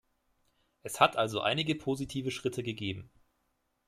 Es hat also einige positive Schritte gegeben.